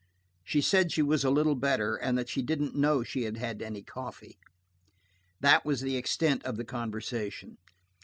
She said she was a little better, and that she didn't know she had had any coffee. That was the extent of the conversation.